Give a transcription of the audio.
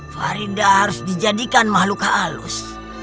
farida harus dijadikan makhluk halus